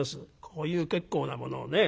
こういう結構なものをね。